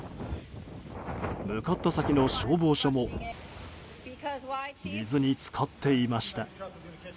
向かった先の消防署も水に浸かっていました。